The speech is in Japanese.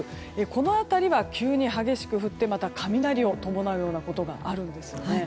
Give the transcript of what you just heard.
この辺りは急に激しく降ってまた雷を伴うようなことがあるんですね。